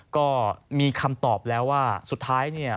ก็มีคำตอบแล้วว่าสุดท้ายเนี่ย